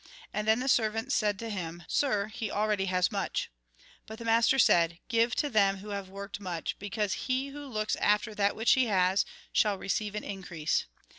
And then the servants said to him :' Sir, he already has much.' But the master said :' Give to them who have worked much, because he who looks after that which he has, shall receive an increase.